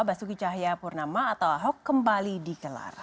basuki cahaya purnama atau ahok kembali dikelar